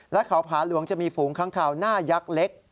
และเขาผาหลวงจะมีฝูงค้างคาวหน้ายักษ์เล็ก